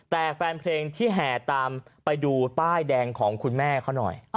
แต่แฟนเพลงที่แห่ตามไปดูป้ายแดงของคุณแม่เขาหน่อย